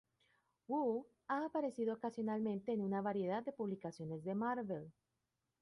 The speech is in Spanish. Woo ha aparecido ocasionalmente en una variedad de publicaciones de Marvel.